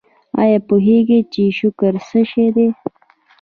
ایا پوهیږئ چې شکر څه دی؟